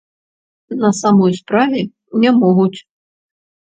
На самой справе, не могуць.